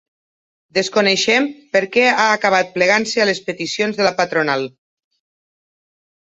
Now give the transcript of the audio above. Desconeixem per què ha acabat plegant-se a les peticions de la patronal.